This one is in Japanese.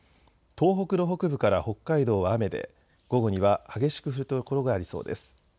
東北の北部から北海道は雨で午後には激しく降る所がありそうです。